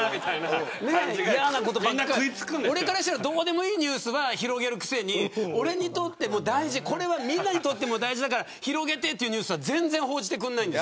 俺からしたらどうでもいいニュースは広げるくせに俺にとっても、みんなにとっても大事だから広げてというニュースを全然報じてくれない。